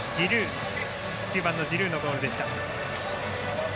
９番のジルーのゴールでした。